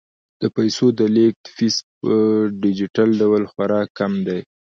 د پيسو د لیږد فیس په ډیجیټل ډول خورا کم دی.